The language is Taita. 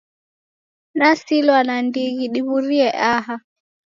Nasilwa nandighi diw'urie aha.